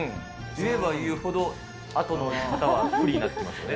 言えば言うほど、あとの方は不利になってきますよね。